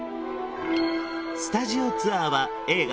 スタジオツアーは映画